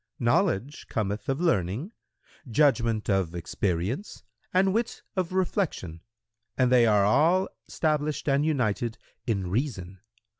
"—"Knowledge cometh of learning, judgment of experience and wit of reflection, and they are all stablished and united in reason.